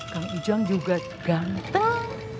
kang ujang juga ganteng